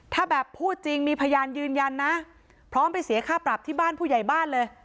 ถ้าแบบพูดจริงมีพยานยืนยันนะพร้อมไปเสียค่าปรับที่บ้านผู้ใหญ่บ้านเลย